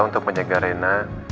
untuk menjaga rena